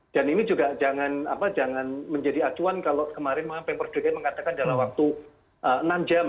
dan ini juga jangan menjadi acuan kalau kemarin pak pemperduduknya mengatakan dalam waktu enam jam